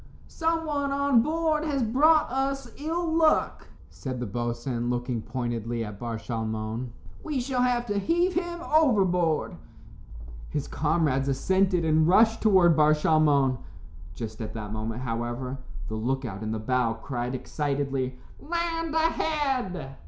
"Someone on board has brought us ill luck," said the boatswain, looking pointedly at Bar Shalmon; "we shall have to heave him overboard." His comrades assented and rushed toward Bar Shalmon. Just at that moment, however, the look out in the bow cried excitedly, "Land ahead!"